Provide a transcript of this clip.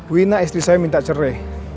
wina istri saya minta cerai